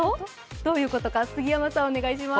どういうことか、杉山さん、お願いします。